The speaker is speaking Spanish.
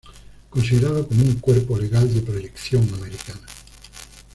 Considerado como un cuerpo legal de "proyección americana".